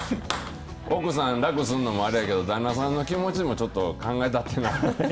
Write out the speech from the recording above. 奥さん、楽するのもあれやけど、旦那さんの気持ちもちょっと考えたってな。